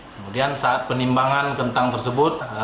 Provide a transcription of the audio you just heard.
kemudian saat penimbangan kentang tersebut